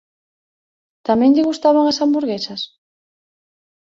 Tamén lle gustaban as hamburguesas?